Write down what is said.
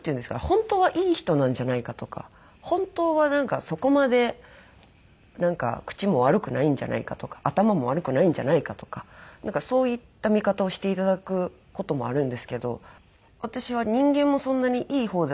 本当はいい人なんじゃないかとか本当はそこまでなんか口も悪くないんじゃないかとか頭も悪くないんじゃないかとかなんかそういった見方をしていただく事もあるんですけど私は人間もそんなにいい方ではありませんので。